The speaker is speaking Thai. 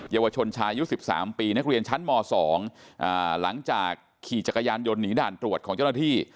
ยาวชนชายุ๑๓ปีนักเรียนชั้นม๒หลังจากขี่จักรยานยนต์หนีด่านตรวจของเจ้าหน้าที่